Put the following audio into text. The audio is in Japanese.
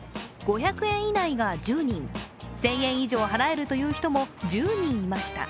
５００円以内が１０人１０００円以上払えるという人も１０人いました。